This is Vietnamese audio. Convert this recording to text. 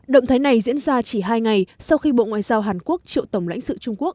động thái này diễn ra chỉ hai ngày sau khi bộ ngoại giao hàn quốc triệu tổng lãnh sự trung quốc